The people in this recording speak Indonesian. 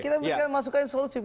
kita berikan masukan yang solusif